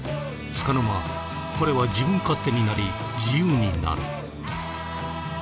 つかの間彼は自分勝手になり自由になる。